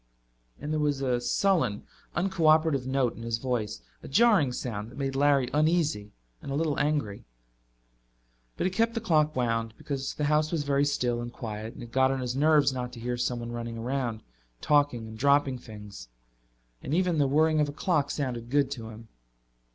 And there was a sullen, uncooperative note in his voice, a jarring sound that made Larry uneasy and a little angry. But he kept the clock wound, because the house was very still and quiet and it got on his nerves not to hear someone running around, talking and dropping things. And even the whirring of a clock sounded good to him.